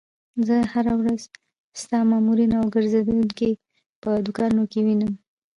زه هره ورځ ستا مامورین او ګرځېدونکي په دوکانونو کې وینم.